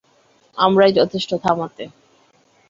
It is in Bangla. আমরাই যথেষ্ট থামাতে।